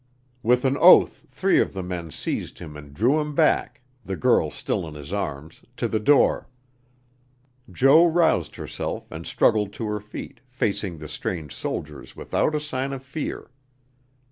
With an oath three of the men seized him and drew him back, the girl still in his arms, to the door. Jo roused herself and struggled to her feet, facing the strange soldiers without a sign of fear.